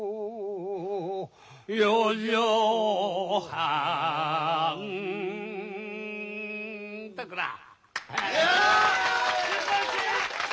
「四畳半」っとくらあ。